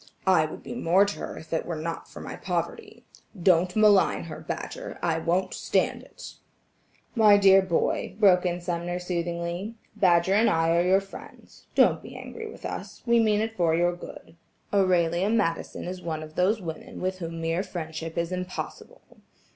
I would be more to her if it were not for my poverty. Don't malign her, Badger, I won't stand it." "My dear boy," broke in Sumner, soothingly, "Badger and I are your friends. Don't be angry with us; we mean it for your good. Aurelia Madison is one of those women with whom mere friendship is impossible.